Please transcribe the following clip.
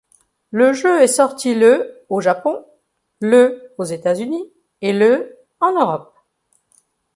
Le jeu est sorti le au Japon, le aux États-Unis et le en Europe.